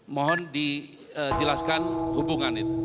mohon dijelaskan hubungan itu